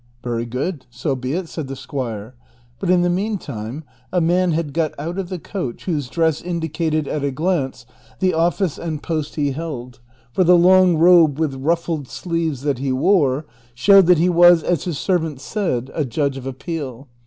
" Very good, so be it," said the squire ; but in the mean time a man had got out of the coach whose dress indicated at a glance the office and post he held, for the long robe with ruttted sleeves that he wore showed that he was, as his servant said, a ju^dge of appeal.